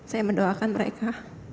saya mendoakan mereka